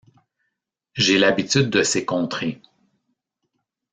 J’ai l’habitude de ces contrées.